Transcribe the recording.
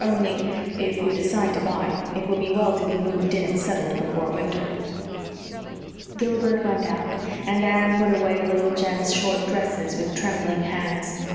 Only if we decide to buy, it would be well to be moved in and settled before winter." Gilbert went out, and Anne put away Little Jem's short dresses with trembling hands.